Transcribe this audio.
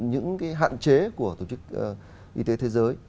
những hạn chế của tổ chức y tế thế giới